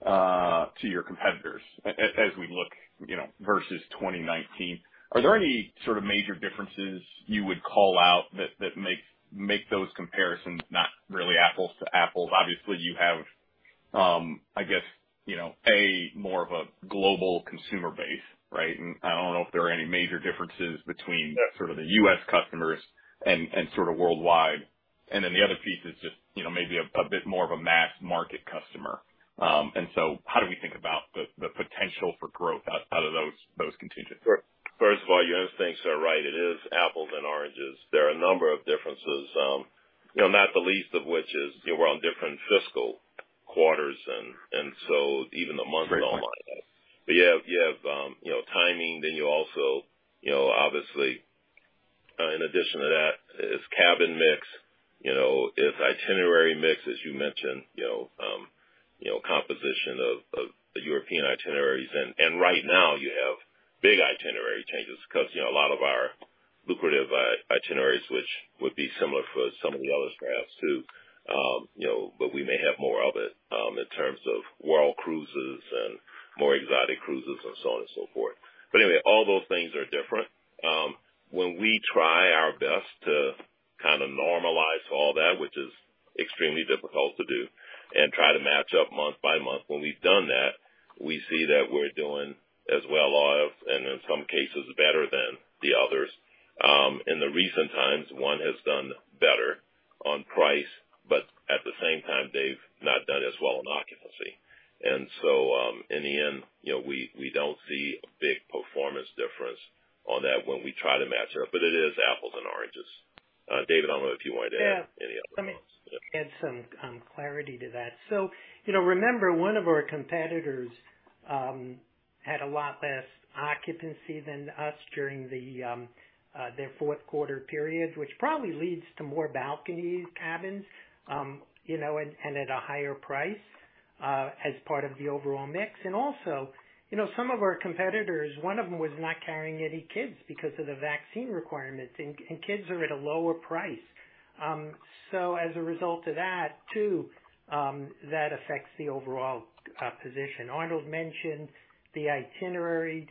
to your competitors as we look, you know, versus 2019. Are there any sort of major differences you would call out that make those comparisons not really apples to apples? Obviously, you have, I guess, you know, a more of a global consumer base, right? I don't know if there are any major differences between sort of the U.S. customers and sort of worldwide. Then the other piece is just, you know, maybe a bit more of a mass market customer. How do we think about the potential for growth out of those contingents? First of all, your instincts are right. It is apples and oranges. There are a number of differences, you know, not the least of which is, you know, we're on different fiscal quarters. So even the month- Right. You have you know timing. You also, you know, obviously, in addition to that is cabin mix. You know, it's itinerary mix, as you mentioned, you know, composition of the European itineraries. Right now you have big itinerary changes because, you know, a lot of our lucrative itineraries, which would be similar for some of the others perhaps too, you know, but we may have more of it, in terms of world cruises and more exotic cruises and so on and so forth. Anyway, all those things are different. When we try our best to kind of normalize all that, which is extremely difficult to do and try to match up month by month. When we've done that, we see that we're doing as well off, and in some cases better than the others. In the recent times, one has done better on price, but at the same time they've not done as well on occupancy. In the end, you know, we don't see a big performance difference on that when we try to match it up. It is apples and oranges. David, I don't know if you want to add any other notes. Yeah. Let me add some clarity to that. You know, remember one of our competitors had a lot less occupancy than us during their fourth quarter period, which probably leads to more balcony cabins, you know, and at a higher price as part of the overall mix. You know, some of our competitors, one of them was not carrying any kids because of the vaccine requirements, and kids are at a lower price. As a result of that too, that affects the overall position. Arnold mentioned the itinerary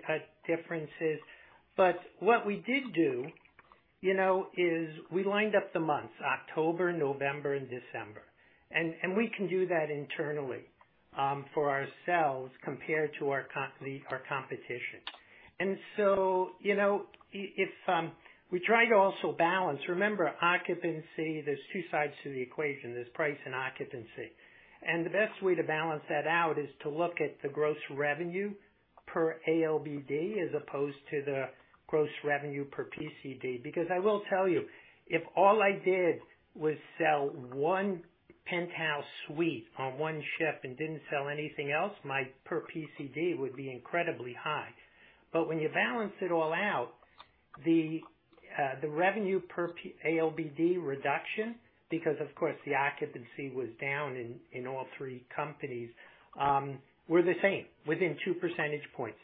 differences. What we did do, you know, is we lined up the months October, November and December. We can do that internally for ourselves compared to our competition. You know, if we try to also balance. Remember occupancy, there's two sides to the equation. There's price and occupancy. The best way to balance that out is to look at the gross revenue per ALBD as opposed to the gross revenue per PCD. Because I will tell you, if all I did was sell one penthouse suite on one ship and didn't sell anything else, my per PCD would be incredibly high. When you balance it all out, the revenue per ALBD reduction, because of course the occupancy was down in all three companies, were the same within two percentage points.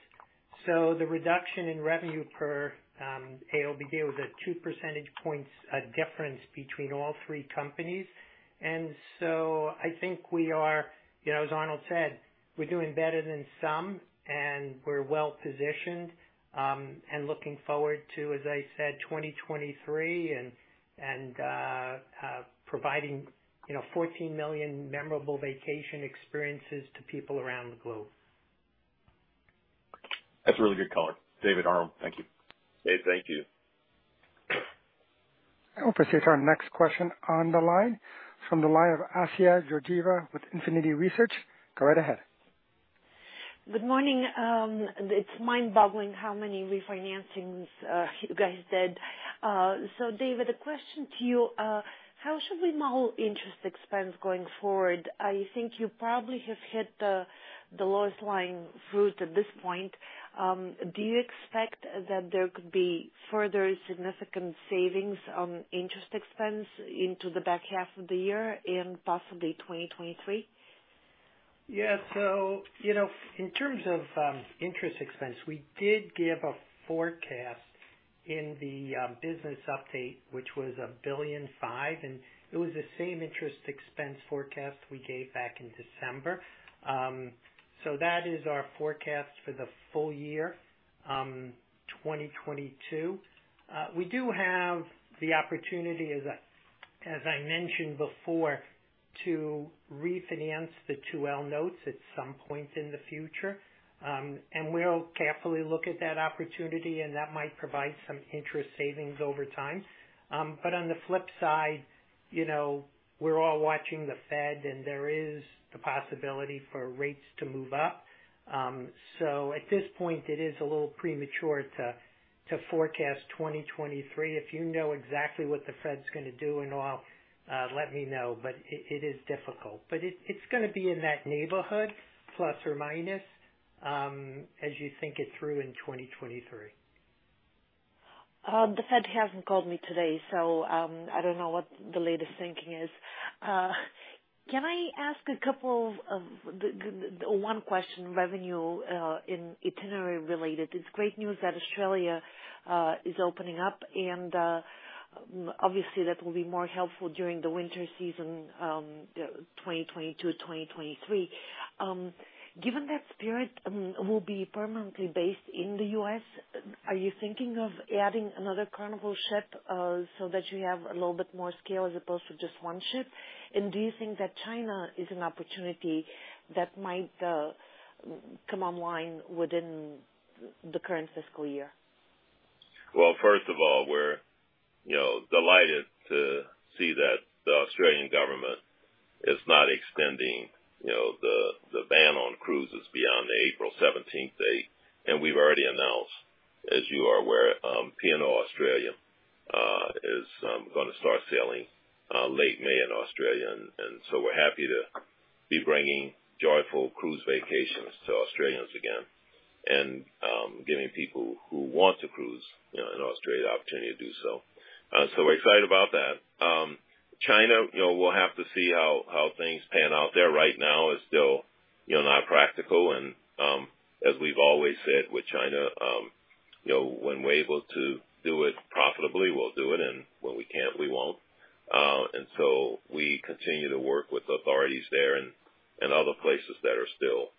The reduction in revenue per ALBD was a two percentage points difference between all three companies. I think we are, you know, as Arnold said, we're doing better than some and we're well-positioned and looking forward to, as I said, 2023 and providing, you know, 14 million memorable vacation experiences to people around the globe. That's a really good color. David, Arnold, thank you. David, thank you. I will proceed to our next question on the line. It's from the line of Assia Georgieva with Infinity Research. Go right ahead. Good morning. It's mind-boggling how many refinancings you guys did. David, a question to you. How should we model interest expense going forward? I think you probably have hit the lowest-hanging fruit at this point. Do you expect that there could be further significant savings on interest expense into the back half of the year and possibly 2023? Yeah. You know, in terms of interest expense, we did give a forecast in the business update, which was $1.5 billion, and it was the same interest expense forecast we gave back in December. That is our forecast for the full year 2022. We do have the opportunity as I mentioned before, to refinance the 2L notes at some point in the future. And we'll carefully look at that opportunity, and that might provide some interest savings over time. But on the flip side, you know, we're all watching the Fed and there is the possibility for rates to move up. At this point, it is a little premature to forecast 2023. If you know exactly what the Fed's gonna do and all, let me know. It is difficult. It's gonna be in that neighborhood, plus or minus, as you think it through in 2023. The Fed hasn't called me today, so I don't know what the latest thinking is. Can I ask a couple of the one question revenue in itinerary related? It's great news that Australia is opening up, and obviously that will be more helpful during the winter season 2022-2023. Given that Carnival Spirit will be permanently based in the U.S., are you thinking of adding another Carnival ship so that you have a little bit more scale as opposed to just one ship? And do you think that China is an opportunity that might come online within the current fiscal year? Well, first of all, we're, you know, delighted to see that the Australian government is not extending, you know, the ban on cruises beyond the April seventeenth date. We've already announced, as you are aware, P&O Australia is gonna start sailing late May in Australia and so we're happy to be bringing joyful cruise vacations to Australians again and giving people who want to cruise, you know, in Australia the opportunity to do so. We're excited about that. China, you know, we'll have to see how things pan out there. Right now is still, you know, not practical. As we've always said with China, you know, when we're able to do it profitably, we'll do it, and when we can't, we won't. We continue to work with authorities there and other places that are still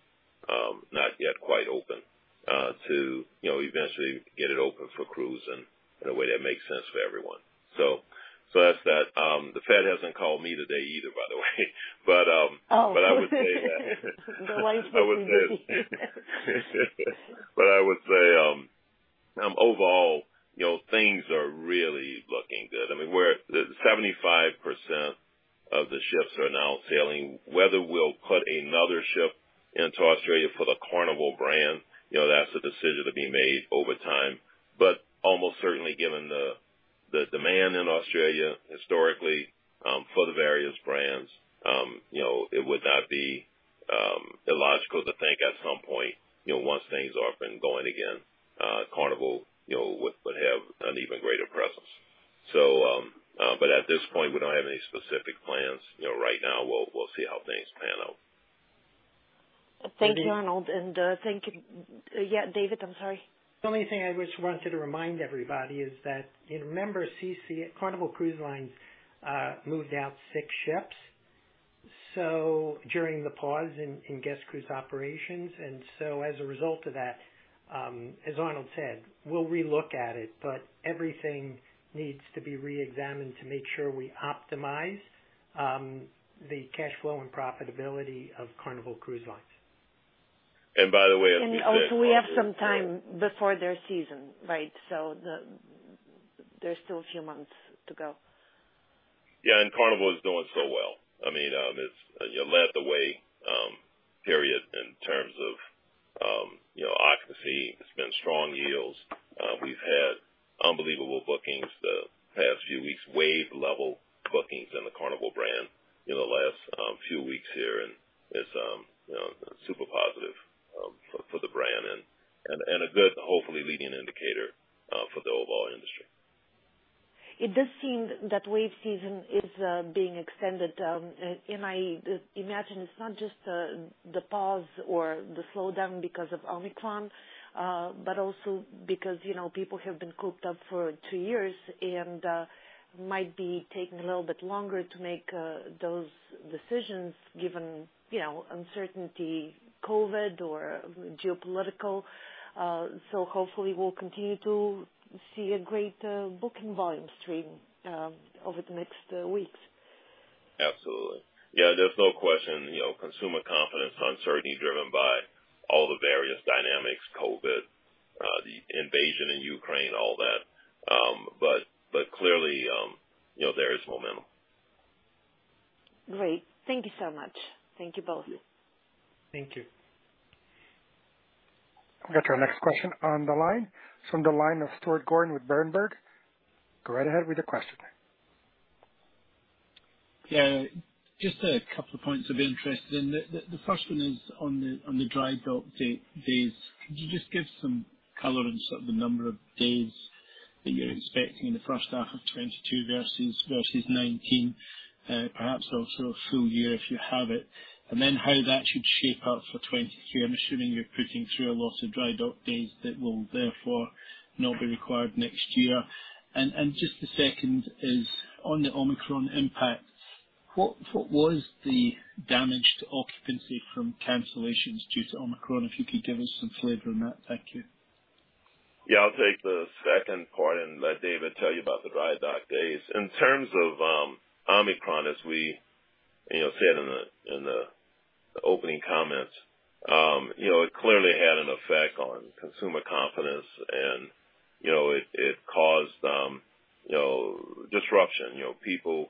not yet quite open to you know eventually get it open for cruise and in a way that makes sense for everyone. That's that. The Fed hasn't called me today either, by the way. Oh. I would say that. Delighted to hear. I would say, overall, you know, things are really looking good. I mean, we're at the 75% of the ships are now sailing. Whether we'll put another ship into Australia for the Carnival brand, you know, that's a decision to be made over time. Almost certainly given the demand in Australia historically, for the various brands, you know, it would not be illogical to think at some point, you know, once things are up and going again, Carnival, you know, would have an even greater presence. At this point, we don't have any specific plans, you know, right now. We'll see how things pan out. Thank you, Arnold. Thank you. Yeah, David, I'm sorry. The only thing I just wanted to remind everybody is that you remember CCL, Carnival Cruise Line, moved out 6 ships, so during the pause in guest cruise operations. As a result of that, as Arnold said, we'll relook at it, but everything needs to be re-examined to make sure we optimize the cash flow and profitability of Carnival Cruise Line. By the way, as we said earlier. Also we have some time before their season, right? There's still a few months to go. Yeah, Carnival is doing so well. I mean, it's, you know, led the way, period in terms of, you know, occupancy. It's been strong yields. We've had unbelievable bookings the past few weeks. Wave-level bookings in the Carnival brand in the last few weeks here. It's, you know, super positive, for the brand and a good, hopefully leading indicator, for the overall industry. It does seem that wave season is being extended. I imagine it's not just the pause or the slowdown because of Omicron, but also because, you know, people have been cooped up for two years and might be taking a little bit longer to make those decisions given, you know, COVID uncertainty or geopolitical. Hopefully we'll continue to see a great booking volume stream over the next weeks. Absolutely. Yeah, there's no question, you know, consumer confidence, uncertainty driven by all the various dynamics, COVID, the invasion in Ukraine, all that. Clearly, you know, there is momentum. Great. Thank you so much. Thank you both. Thank you. We got your next question on the line from the line of Stuart Gordon with Berenberg. Go right ahead with your question. Yeah, just a couple of points of interest. The first one is on the dry dock days. Could you just give some color on sort of the number of days that you're expecting in the first half of 2022 versus 2019, perhaps also a full year if you have it. Then how that should shape up for 2023. I'm assuming you're putting through a lot of dry dock days that will therefore not be required next year. Just the second is on the Omicron impact, what was the damage to occupancy from cancellations due to Omicron, if you could give us some flavor on that? Thank you. Yeah, I'll take the second part and let David tell you about the dry dock days. In terms of Omicron, as we, you know, said in the opening comments, you know, it clearly had an effect on consumer confidence and, you know, it caused, you know, disruption. You know, people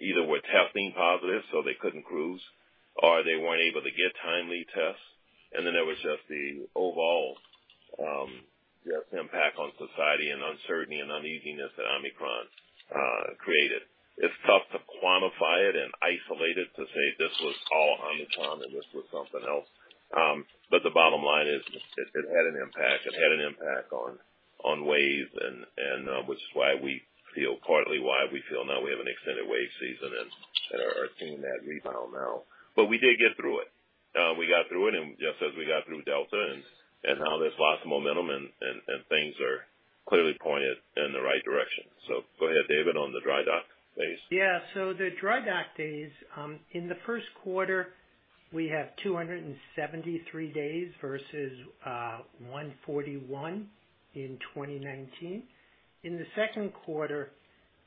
either were testing positive, so they couldn't cruise, or they weren't able to get timely tests. There was just the overall impact on society and uncertainty and uneasiness that Omicron created. It's tough to quantify it and isolate it to say this was all Omicron and this was something else. The bottom line is it had an impact. It had an impact on waves, which is partly why we feel now we have an extended wave season and are seeing that rebound now. We did get through it. We got through it and just as we got through Delta and things are clearly pointed in the right direction. Go ahead, David, on the dry dock days. Yeah. The dry dock days in the first quarter we have 273 days versus 141 in 2019. In the second quarter,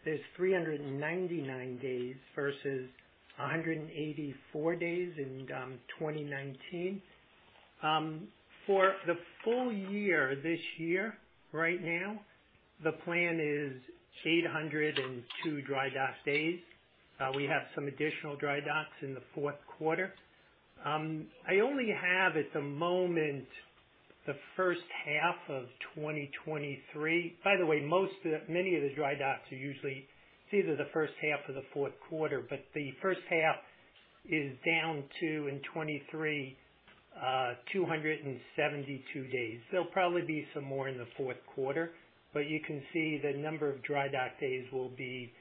there's 399 days versus 184 days in 2019. For the full year this year, right now, the plan is 802 dry dock days. We have some additional dry docks in the fourth quarter. I only have at the moment the first half of 2023. By the way, many of the dry docks are usually it's either the first half or the fourth quarter, but the first half is down to, in 2023, 272 days. There'll probably be some more in the fourth quarter, but you can see the number of dry dock days will be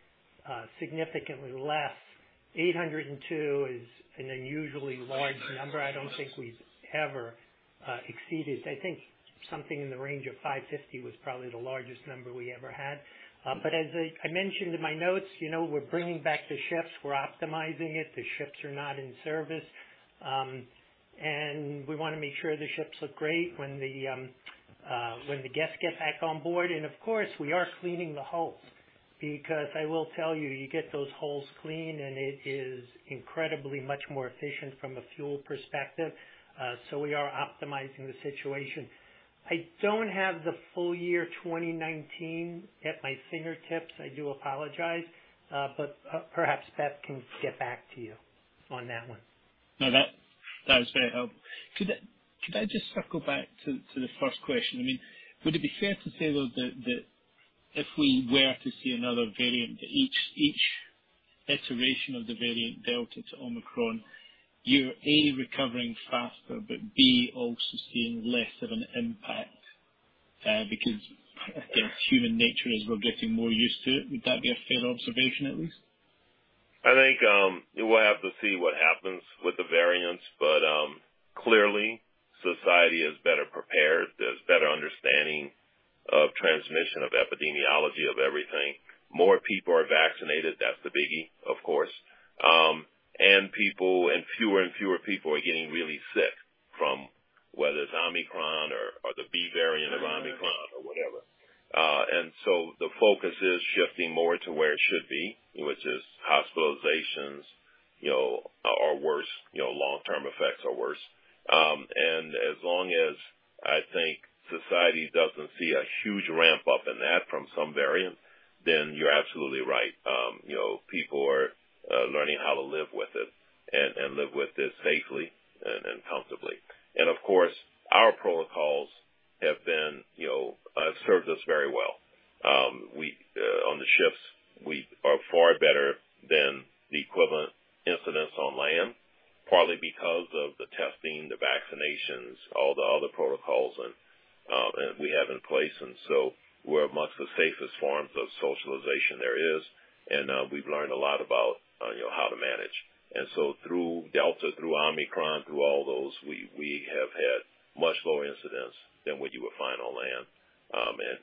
significantly less. 802 is an unusually large number I don't think we've ever exceeded. I think something in the range of 550 was probably the largest number we ever had. But as I mentioned in my notes, you know, we're bringing back the ships, we're optimizing it. The ships are not in service, and we wanna make sure the ships look great when the guests get back on board. Of course, we are cleaning the hulls, because I will tell you get those hulls clean, and it is incredibly much more efficient from a fuel perspective. So we are optimizing the situation. I don't have the full year 2019 at my fingertips. I do apologize. But perhaps Beth can get back to you on that one. No, that was very helpful. Could I just circle back to the first question? I mean, would it be fair to say, though, that if we were to see another variant, each iteration of the variant Delta to Omicron, you're A, recovering faster, but B, also seeing less of an impact because I think human nature is we're getting more used to it. Would that be a fair observation, at least? I think we'll have to see what happens with the variants, but clearly society is better prepared. There's better understanding of transmission, of epidemiology, of everything. More people are vaccinated. That's the biggie, of course. Fewer and fewer people are getting really sick from whether it's Omicron or the B variant of Omicron or whatever. The focus is shifting more to where it should be, which is hospitalizations, you know, or worse, you know, long-term effects or worse. As long as, I think, society doesn't see a huge ramp-up in that from some variant, then you're absolutely right. You know, people are learning how to live with it and live with it safely and comfortably. Of course, our protocols have been, you know, served us very well. On the ships, we are far better than the equivalent incidents on land, partly because of the testing, the vaccinations, all the other protocols and we have in place, and so we're among the safest forms of socialization there is. We've learned a lot about you know how to manage. Through Delta, through Omicron, through all those, we have had much lower incidents than what you would find on land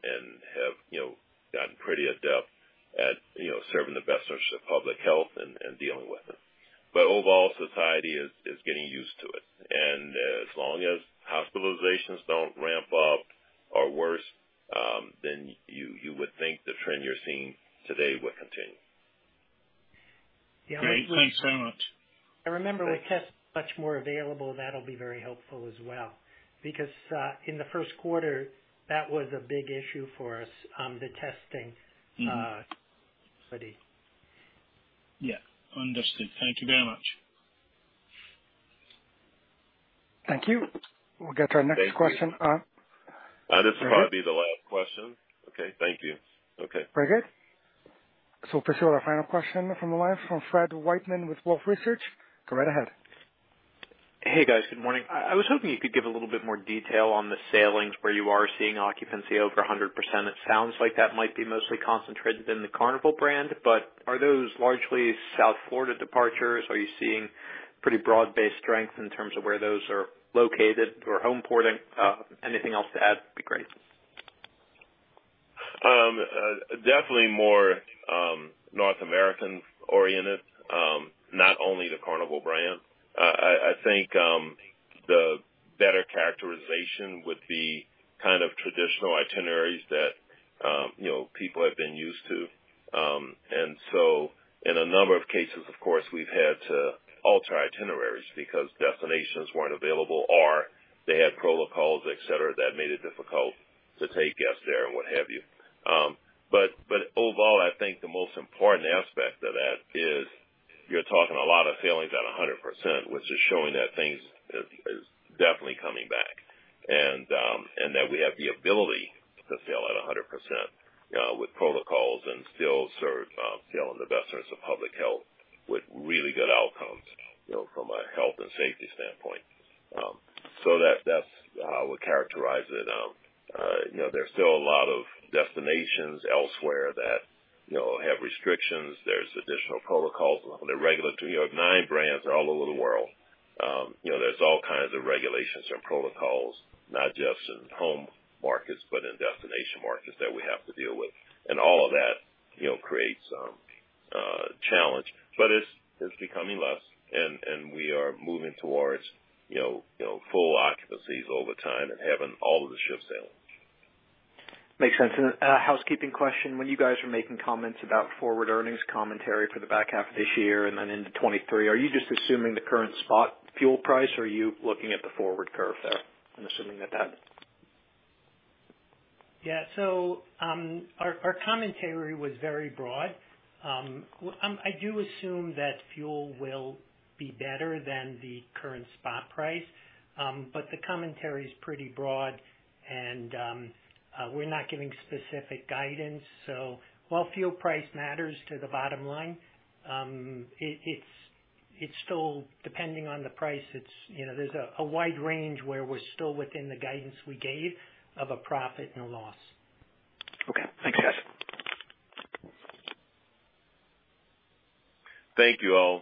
and have you know gotten pretty adept at you know serving the best interest of public health and dealing with it. But overall, society is getting used to it. As long as hospitalizations don't ramp up or worse, then you would think the trend you're seeing today would continue. Yeah. Thanks very much. I remember with tests much more available, that'll be very helpful as well. Because, in the first quarter, that was a big issue for us, the testing, study. Yeah. Understood. Thank you very much. Thank you. We'll get to our next question. Thank you. This will probably be the last question. Okay. Thank you. Okay. Very good. Proceed with our final question from the line from Fred Wightman with Wolfe Research. Go right ahead. Hey guys, good morning. I was hoping you could give a little bit more detail on the sailings where you are seeing occupancy over 100%. It sounds like that might be mostly concentrated in the Carnival brand, but are those largely South Florida departures? Are you seeing pretty broad-based strength in terms of where those are located or home porting? Anything else to add would be great. Definitely more North American-oriented, not only the Carnival brand. I think the better characterization would be kind of traditional itineraries that, you know, people have been used to. In a number of cases, of course, we've had to alter itineraries because destinations weren't available or they had protocols, et cetera, that made it difficult to take guests there or what have you. But overall, I think the most important aspect of that is you're talking a lot of sailings at 100%, which is showing that things is definitely coming back. And that we have the ability to sail at 100%, with protocols and still serve sailing the best interests of public health with really good outcomes, you know, from a health and safety standpoint. That's how I would characterize it. You know, there's still a lot of destinations elsewhere that, you know, have restrictions. There's additional protocols. The regulations for our nine brands all over the world. You know, there's all kinds of regulations and protocols, not just in home markets, but in destination markets that we have to deal with. All of that, you know, creates a challenge. It's becoming less and we are moving towards, you know, full occupancies over time and having all of the ships sailing. Makes sense. A housekeeping question, when you guys are making comments about forward earnings commentary for the back half of this year and then into 2023, are you just assuming the current spot fuel price or are you looking at the forward curve there and assuming that? Yeah. Our commentary was very broad. I do assume that fuel will be better than the current spot price. The commentary is pretty broad and we're not giving specific guidance. While fuel price matters to the bottom line, it's still depending on the price. It's, you know, there's a wide range where we're still within the guidance we gave of a profit and a loss. Okay. Thanks, guys. Thank you all.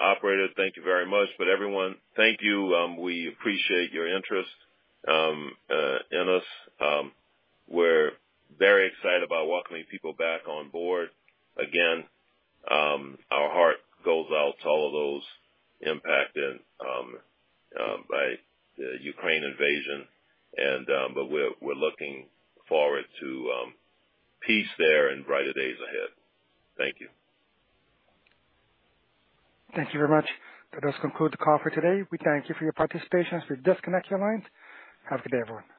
Operator, thank you very much. Everyone, thank you, we appreciate your interest in us. We're very excited about welcoming people back on board. Again, our heart goes out to all of those impacted by the Ukraine invasion, but we're looking forward to peace there and brighter days ahead. Thank you. Thank you very much. That does conclude the call for today. We thank you for your participation. Please disconnect your lines. Have a good day, everyone.